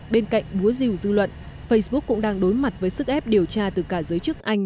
bên cạnh búa rìu dư luận facebook cũng đang đối mặt với sức ép điều tra từ cả giới chức anh